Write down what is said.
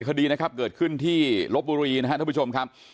คดีนะครับเกิดขึ้นที่ลบบุรีนะครับท่านผู้ชมครับ